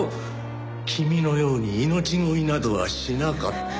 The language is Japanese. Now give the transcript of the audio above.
君のように命乞いなどはしなかった。